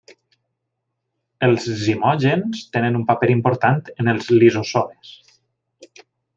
Els zimògens tenen un paper important en els lisosomes.